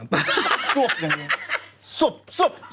ป้าซวบอย่างนี้